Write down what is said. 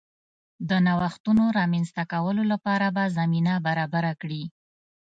د نوښتونو رامنځته کولو لپاره به زمینه برابره کړي